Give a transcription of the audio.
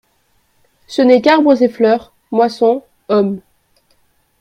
Ce n'est qu'arbres et fleurs, moissons, hommes.